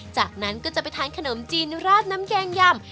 จากนั้นก็จะไปทานขนมจีนราดน้ำแกงยำ